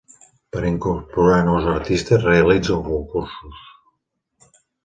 Per a incorporar nous artistes realitza concursos.